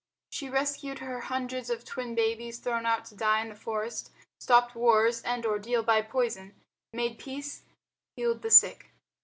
She rescued her hundreds of twin babies thrown out to die in the forest, stopped wars and ordeal by poison, made peace, healed the sick.